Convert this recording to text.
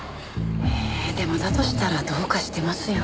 えでもだとしたらどうかしてますよ。